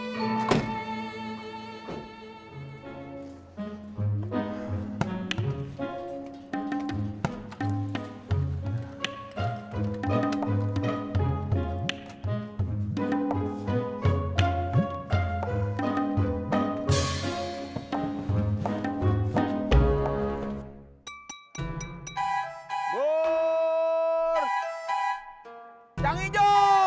buuuur yang ijo